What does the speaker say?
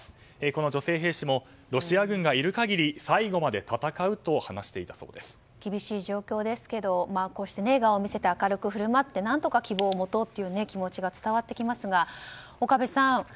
この女性兵士もロシア軍がいる限り最後まで戦うと厳しい状況ですがこうして笑顔を見せて明るく振る舞ってなんとか笑顔になろうという気持ちが伝わってきますが岡部さん